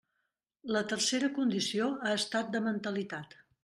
La tercera condició ha estat de mentalitat.